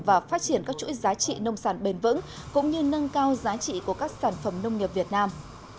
và phát triển các chuỗi giá trị nông sản bền vững cũng như nâng cao giá trị của các sản phẩm nông nghiệp việt nam